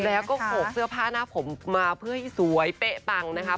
แล้วก็โขกเสื้อผ้าหน้าผมมาเพื่อให้สวยเป๊ะปังนะคะ